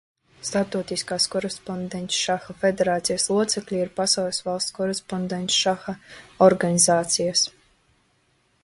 Starptautiskā Korespondencšaha federācijas locekļi ir pasaules valstu korespondencšaha organizācijas.